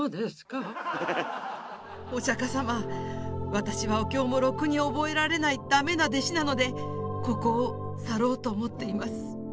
私はお経もろくに覚えられないダメな弟子なのでここを去ろうと思っています」。